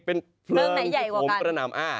เป็นเพลิงโบมกระหนำ